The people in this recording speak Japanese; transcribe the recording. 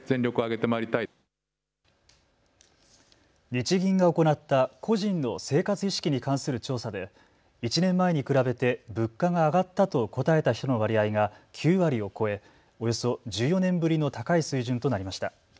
日銀が行った個人の生活意識に関する調査で、１年前に比べて物価が上がったと答えた人の割合が９割を超え、およそ１４年ぶりの高い水準となりました。